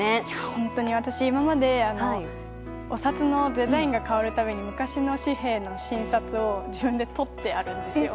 本当に私、今までお札のデザインが変わるたびに昔の紙幣の新札を取ってあるんですよ。